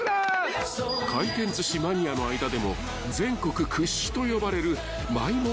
［回転寿司マニアの間でも全国屈指と呼ばれる］